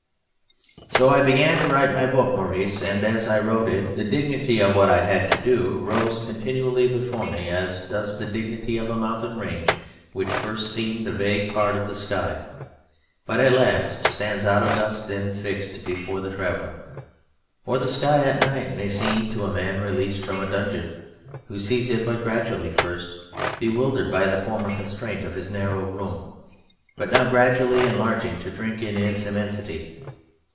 So I began to write my book, Maurice: and as I wrote it the dignity of what I had to do rose continually before me, as does the dignity of a mountain range which first seemed a vague part of the sky, but at last stands out august and fixed before the traveller; or as the sky at night may seem to a man released from a dungeon who sees it but gradually, first bewildered by the former constraint of his narrow room but now gradually enlarging to drink in its immensity.